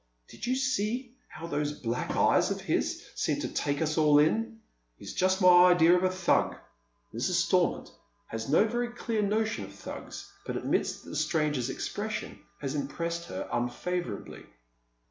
Did you see how those black eyes of his seemed to take us all in ? He's just my idea of a Thug." Mrs. Stormont has no very clear notion of Thugs, but admits that the stranger's expression has impressed her unfavourably.